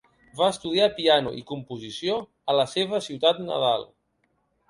Va estudiar piano i composició a la seva ciutat nadal.